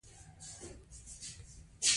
د دولت د مامورینو د چارو تنظیم او اصلاح.